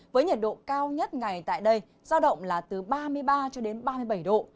với nhiệt độ cao nhất ngày tại đây giao động là từ ba mươi ba cho đến ba mươi bảy độ